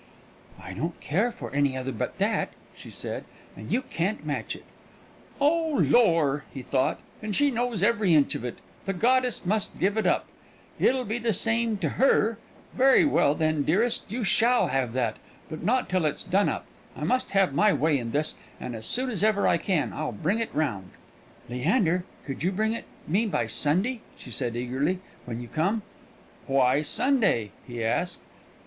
"I don't care for any other but that," she said; "and you can't match it." "Oh, lor!" he thought, "and she knows every inch of it. The goddess must give it up; it'll be all the same to her. Very well then, dearest, you shall have that, but not till it's done up. I must have my way in this; and as soon as ever I can, I'll bring it round." "Leander, could you bring it me by Sunday," she said eagerly, "when you come?" "Why Sunday?" he asked.